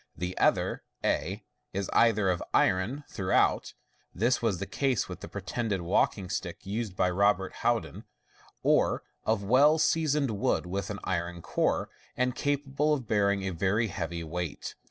The other, a, is either of iron throughout (this was the case with the pretended walking stick used by Robert Houd in) or of well sea soned wood with an iron core, and capable of bearing a very heavy weight.